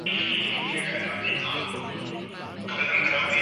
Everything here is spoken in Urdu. اس کے ساتھ یہ